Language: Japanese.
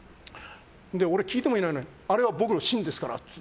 俺、聞いてもいないのにあれは僕の芯ですからって。